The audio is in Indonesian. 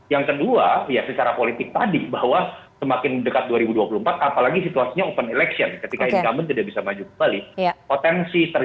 yang kedua ya secara politik tadi bahwa semakin dekat dua ribu dua puluh empat apalagi situasinya open election ketika incumbent tidak bisa maju kembali